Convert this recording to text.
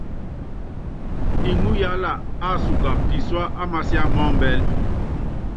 Iŋúyaála ásuba pisuá á masiá mɔ́ ɔmbɛ́l.